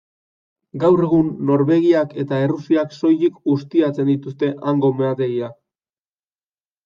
Gaur egun Norvegiak eta Errusiak soilik ustiatzen dituzte hango meategiak.